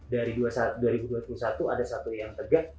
dari dua ribu dua puluh satu ada satu yang tegak